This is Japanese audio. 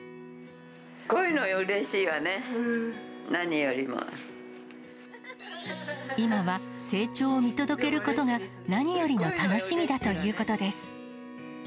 こういうのうれしいわね、今は、成長を見届けることが何よりの楽しみだということです。